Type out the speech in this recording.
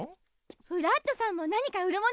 フラットさんも何か売るものありませんか？